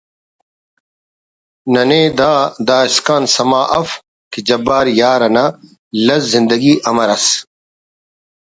ننے دا داسکان سما اف کہ جبار یار نا لس زندگی امر ئس